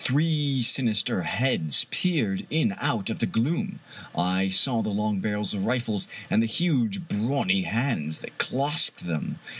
Three sinister heads peered in out of the gloom. I saw the long barrels of rifles, and the huge brawny hands that clasped them.